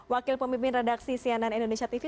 wakil pemimpin redaksi cnn indonesia tv